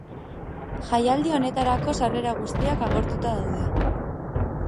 Jaialdi honetarako sarrera guztiak agortuta daude.